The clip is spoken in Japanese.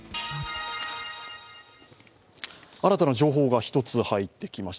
新たな情報が１つ入ってきました。